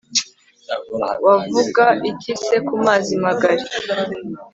wavuga iki se ku mazi magali